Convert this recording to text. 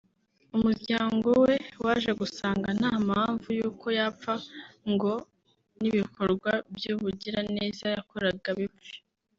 umuryango we waje gusanga nta mpamvu y’uko yapfa ngo n’ibikorwa by’ubugiraneza yakoraga bipfe